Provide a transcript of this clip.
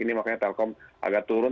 ini makanya telkom agak turun